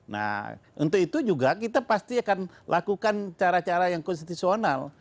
nah untuk itu juga kita pasti akan lakukan cara cara yang konstitusional